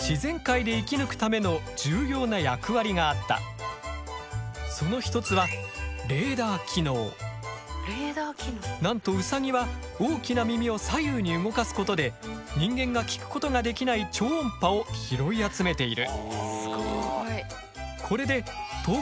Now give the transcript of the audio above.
実はこの耳にはその一つはなんとウサギは大きな耳を左右に動かすことで人間が聞くことができない超音波を拾い集めている。